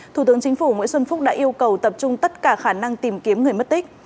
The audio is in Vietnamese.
thủ tướng chính phủ nguyễn xuân phúc đã yêu cầu tập trung tất cả khả năng tìm kiếm người mất tích